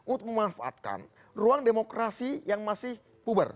untuk memanfaatkan ruang demokrasi yang masih puber